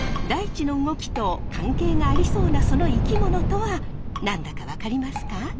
大地の動きと関係がありそうなその生き物とは何だか分かりますか？